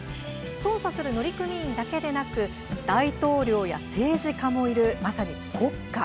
操作する乗組員だけでなく大統領や政治家もいるまさに国家。